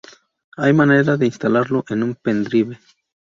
¿hay manera de instalarlo en un pendrive?